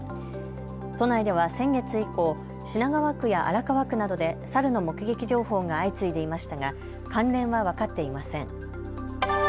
都内では先月以降、品川区や荒川区などでサルの目撃情報が相次いでいましたが関連は分かっていません。